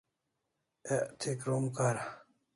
Ek thi krom kara